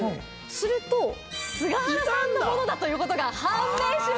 すると菅原さんのものということが判明しました！